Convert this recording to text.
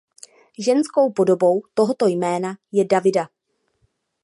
Ženskou podobou tohoto jména je Davida.